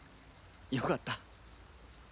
よかった。